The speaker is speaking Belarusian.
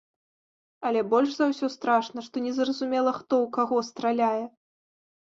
Але больш за ўсё страшна, што незразумела, хто ў каго страляе.